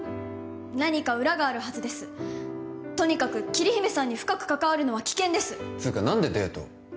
何か裏があるはずですとにかく桐姫さんに深く関わるのは危険ですつーか何でデート？